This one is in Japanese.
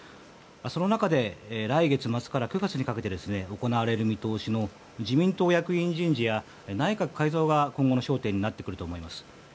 その中で、来月末から９月にかけて行われる見通しの自民党役員人事や内閣改造が今後の焦点になってくると思います。